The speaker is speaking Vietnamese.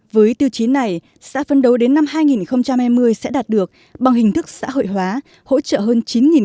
với tiêu chí này xã phấn đấu đến năm hai nghìn hai mươi sẽ đạt được bằng hình thức xã hội hóa hỗ trợ hơn chín